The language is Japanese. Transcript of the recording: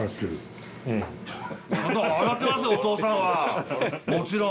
お父さんはもちろん。